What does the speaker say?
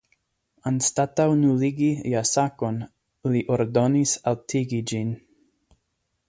Anstataŭ nuligi jasakon li ordonis altigi ĝin.